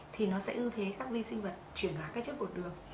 thì nó sẽ ưu thế các vi sinh vật chuyển hóa các chất bột đường